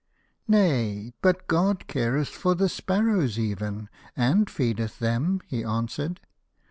" Nay, but God careth for the sparrows even, and feedeth them," he answered.